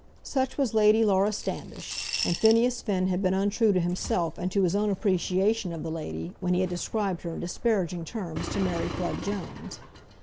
Such was Lady Laura Standish; and Phineas Finn had been untrue to himself and to his own appreciation of the lady when he had described her in disparaging terms to Mary Flood Jones.